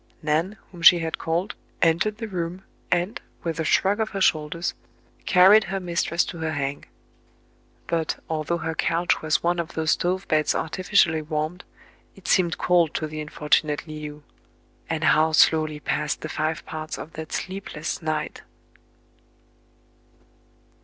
Nan, whom she had called, entered the room, and, with a shrug of her shoulders, carried her mistress to her "hang." But, although her couch was one of those stove beds artificially warmed, it seemed cold to the unfortunate Le ou ; and how slowly passed the five parts of that sleepless night